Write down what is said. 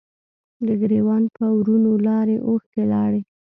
د ګریوان په ورونو لارې، اوښکې لارې